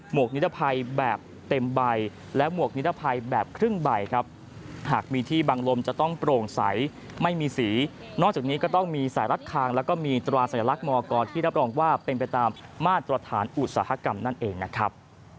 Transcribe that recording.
วกนิรภัยแบบเต็มใบและหมวกนิรภัยแบบครึ่งใบครับหากมีที่บางลมจะต้องโปร่งใสไม่มีสีนอกจากนี้ก็ต้องมีสายรัดคางแล้วก็มีตราสัญลักษณ์มกที่รับรองว่าเป็นไปตามมาตรฐานอุตสาหกรรมนั่นเองนะครับ